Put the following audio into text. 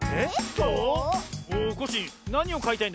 コッシーなにをかいたいんだい？